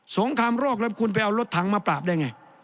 งครามโรคแล้วคุณไปเอารถถังมาปราบได้ไง